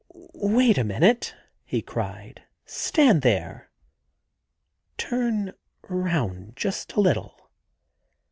* Wait a moment,' he cried. * Stand there. ... Turn round just a little.